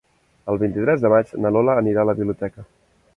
El vint-i-tres de maig na Lola anirà a la biblioteca.